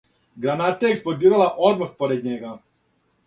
Граната је експлодирала одмах поред њега.